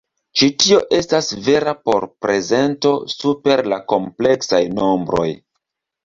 Ĉi tio estas vera por prezentoj super la kompleksaj nombroj.